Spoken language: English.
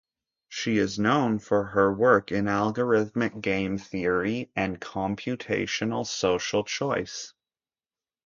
She is known for her work in algorithmic game theory and computational social choice.